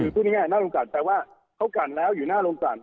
พูดง่ายน่าสงสารแปลว่าเขากันแล้วอยู่หน้าโรงสั่น